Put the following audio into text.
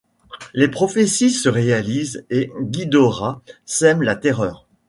Les prophéties se réalisent et Ghidorah sème la terreur.